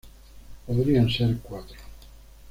Podrían ser cuatro.